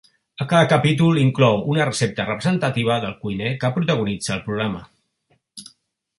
A cada capítol inclou una recepta representativa del cuiner que protagonitza el programa.